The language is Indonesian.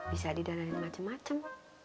bisa didanain macem macem